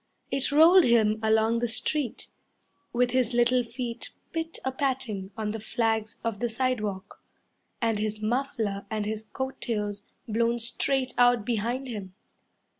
It rolled him along the street, With his little feet pit a patting on the flags of the sidewalk, And his muffler and his coat tails blown straight out behind him.